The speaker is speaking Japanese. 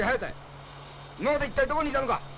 今まで一体どこにいたのか！